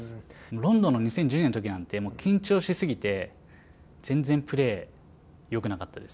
ロンドンの２０１２年のときなんて、もう緊張しすぎて、全然プレーよくなかったです。